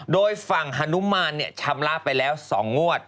โดยฝั่งฮานุมานชำระไปแล้ว๒งวด